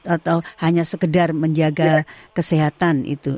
atau hanya sekedar menjaga kesehatan itu